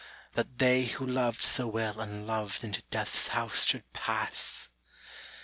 \ That they who loved so well unloved into Death's \ house should pass."